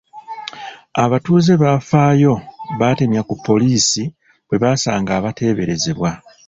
Abatuuze abafaayo batemya ku poliisi bwe basanga abateeberezebwa.